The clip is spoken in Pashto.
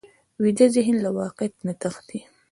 ویده ذهن له واقعیت نه تښتي